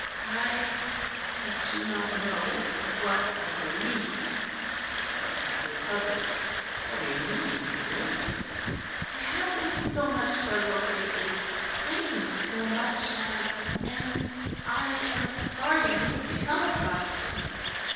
I I do not know what I believe." He looked at her, puzzled. "What do you mean, dearest?' "I have been so much puzzled lately thinking so much and and I am sorry you have become a Protestant.